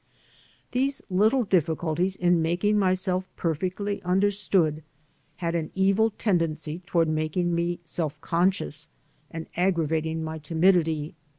These little difficulties in making myself perfectly understood had an evil tendency toward making me self conscious and aggravating my timidity.